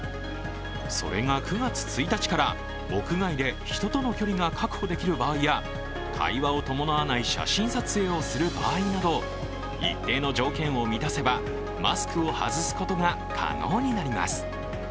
それが９月１日から屋外で、人との距離が確保できる場合や会話を伴わない写真撮影をする場合など、一定の条件を満たせば、マスクを外すことが可能になります。